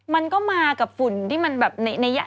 มันก็มากับฝุ่นที่มันแบบ